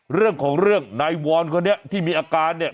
เรื่องของเรื่องนายวอนคนนี้ที่มีอาการเนี่ย